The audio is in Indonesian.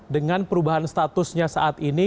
dengan perubahan statusnya saat ini